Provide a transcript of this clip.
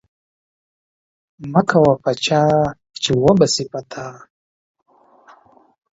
مکوه په چاه چې و به سي په تا.